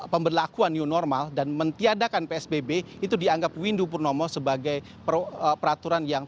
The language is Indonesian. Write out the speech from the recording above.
pemberlakuan new normal dan mentiadakan psbb itu dianggap windu purnomo sebagai peraturan yang